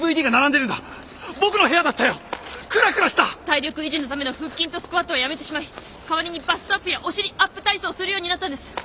体力維持のための腹筋とスクワットはやめてしまい代わりにバストアップやお尻アップ体操をするようになったんです。